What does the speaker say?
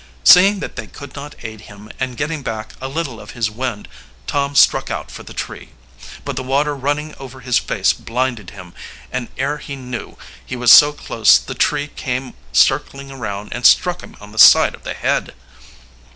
Seeing they could not aid him, and getting back a little of his wind, Tom struck out for the tree. But the water running over his face blinded him, and ere he knew he was so close the tree came circling around and struck him on the side of the head.